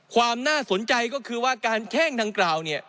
ความน่าสนใจก็คือว่าการแข้งดังกล่าวเนี่ย